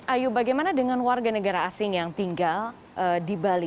ayu bagaimana dengan warga negara asing yang tinggal di bali